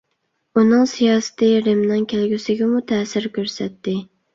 ئۇنىڭ سىياسىتى رىمنىڭ كەلگۈسىگىمۇ تەسىر كۆرسەتتى.